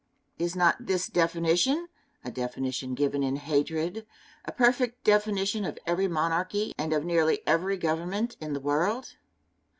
Is not this definition a definition given in hatred a perfect definition of every monarchy and of nearly every government in the world?